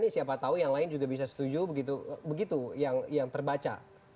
siapa tahu yang lain juga bisa setuju begitu yang terbaca